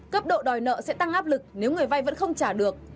cấp độ đòi nợ sẽ tăng áp lực nếu người vay vẫn không trả được